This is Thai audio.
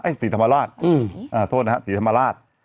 ศรีธรรมราชโทษนะฮะศรีธรรมราช